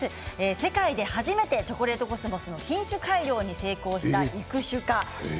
世界で初めてチョコレートコスモスの品種改良に成功した育種家。